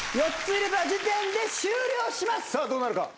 ４つ入れた時点で終了します。